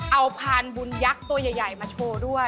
เอาพานบุญยักษ์ตัวใหญ่มาโชว์ด้วย